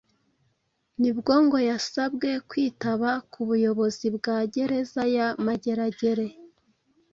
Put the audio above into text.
Nibwo ngo yasabwe kwitaba ku buyobozi bwa gereza ya Mageragere